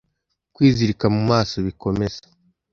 Kwizirika mumaso bikomeza